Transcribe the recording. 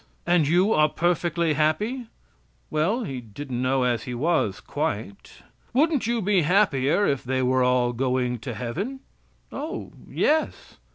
"And you are perfectly happy?" "Well, he didn't know as he was quite." "Wouldn't you be happier if they were all going to heaven?" "O, yes."